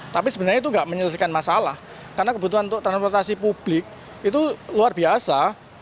tapi sebenarnya itu tidak menyelesaikan masalah karena kebutuhan untuk transportasi publik itu luar biasa